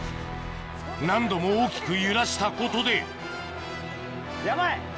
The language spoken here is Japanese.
何度も大きく揺らしたことでヤバい。